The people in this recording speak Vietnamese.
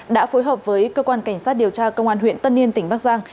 đã phối hợp với cơ quan cảnh sát điều tra công an huyện tân yên tỉnh bắc giang